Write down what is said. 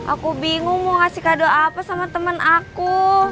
aku bingung mau ngasih kado apa sama temen aku